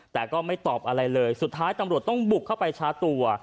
แต่ก็ไม่ตอบอะไรเลยสุดท้ายตำรวจต้องบุกเข้าไปชาร์จตัว